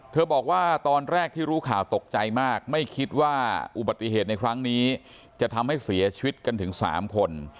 บอกว่าตอนแรกที่รู้ข่าวตกใจมากไม่คิดว่าอุบัติเหตุในครั้งนี้จะทำให้เสียชีวิตกันถึง๓คน